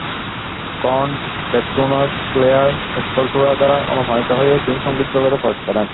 Corn, Deftones, Slayer, স্পেলটুরা দ্বারা অনুপ্রাণিত হয়ে তিনি সংগীত জগতে প্রবেশ করেন।